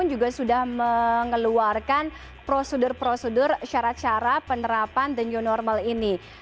juga sudah mengeluarkan prosedur prosedur syarat syarat penerapan the new normal ini